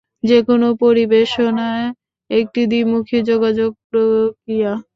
যেকোন পরিবেশনা একটি দ্বি-মুখী যোগাযোগ প্রক্রিয়া।